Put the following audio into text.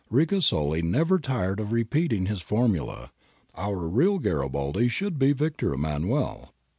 Ricasoli never tired~of repeating hisibfmuTa, 'Our real Garibaldi should be Victor Emmanuel.'